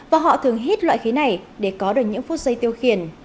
và họ thường hít loại khí này để có được những phút giây tiêu khiển